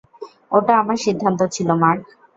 ওটা আমার সিদ্ধান্ত ছিলো, মার্ক।